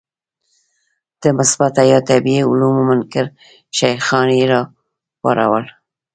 د مثبته یا طبیعي علومو منکر شیخان یې راوپارول.